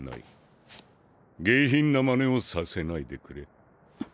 下品な真似をさせないでくれ。